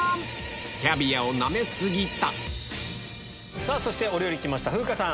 キャビアをナメ過ぎたそしてお料理来ました風花さん。